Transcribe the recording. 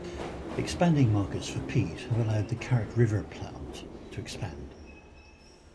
Expanding markets for peat have allowed the Carrot River plant to expand.